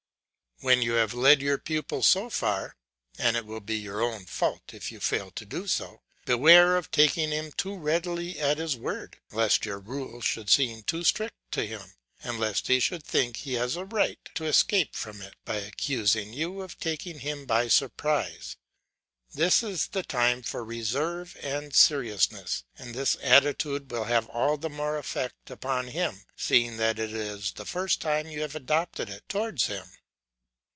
When you have led your pupil so far (and it will be your own fault if you fail to do so), beware of taking him too readily at his word, lest your rule should seem too strict to him, and lest he should think he has a right to escape from it, by accusing you of taking him by surprise. This is the time for reserve and seriousness; and this attitude will have all the more effect upon him seeing that it is the first time you have adopted it towards him.